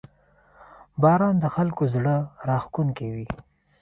• باران د خلکو زړه راښکونکی وي.